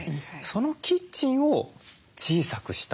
そのキッチンを小さくした。